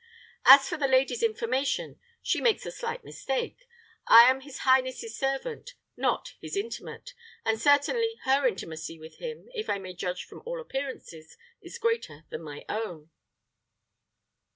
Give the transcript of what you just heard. As for the lady's information, she makes a slight mistake. I am his highness's servant, not his intimate; and certainly her intimacy with him, if I may judge from all appearances, is greater than my own."